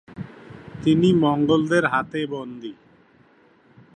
তিনি মঙ্গোলদের হাতে বন্দী হন।